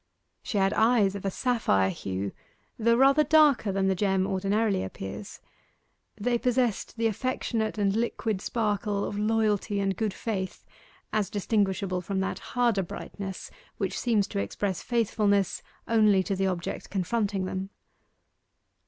She had eyes of a sapphire hue, though rather darker than the gem ordinarily appears; they possessed the affectionate and liquid sparkle of loyalty and good faith as distinguishable from that harder brightness which seems to express faithfulness only to the object confronting them.